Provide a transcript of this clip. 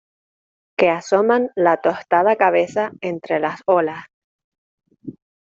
que asoman la tostada cabeza entre las olas